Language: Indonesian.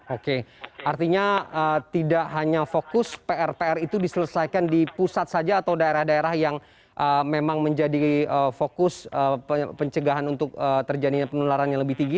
oke artinya tidak hanya fokus pr pr itu diselesaikan di pusat saja atau daerah daerah yang memang menjadi fokus pencegahan untuk terjadinya penularan yang lebih tinggi